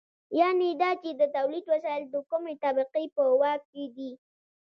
یانې دا چې د تولید وسایل د کومې طبقې په واک کې دي.